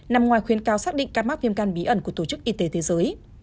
nằm ngoài khuyến cao xác định các mắc viêm gan bí ẩn của tổ chức y tế thế giới